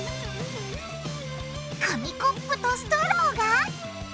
紙コップとストローが！？